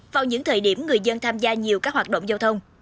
vào những thời điểm người dân tham gia nhiều các hoạt động giao thông